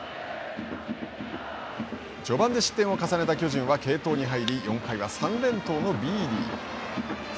序盤で失点を重ねた巨人は継投に入り４回は３連投のビーディ。